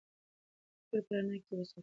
د فکر په رڼا کې یې وساتو.